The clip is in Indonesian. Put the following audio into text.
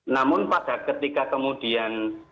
namun pada ketika kemudian